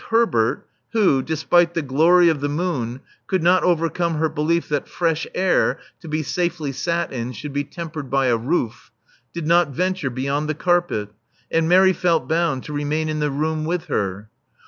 Herbert, who, despite the glory of the moon, could not overcome her belief that fresh air, to be safely sat in, should be tempered by a roof, did not venture beyond the carpet; and Mary felt bound to remain in the room with her.